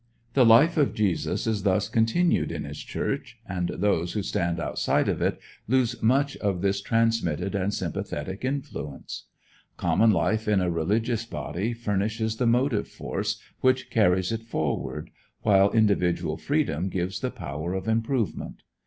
The life of Jesus is thus continued in his Church, and those who stand outside of it lose much of this transmitted and sympathetic influence. Common life in a religious body furnishes the motive force which carries it forward, while individual freedom gives the power of improvement.